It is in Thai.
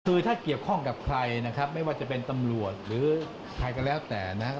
คือถ้าเกี่ยวข้องกับใครนะครับไม่ว่าจะเป็นตำรวจหรือใครก็แล้วแต่นะครับ